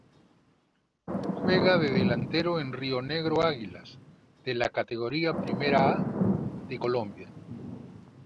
Juega de Delantero en Rionegro Águilas de la Categoría Primera A de Colombia.